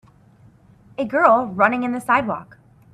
A girl running in the sidewalk.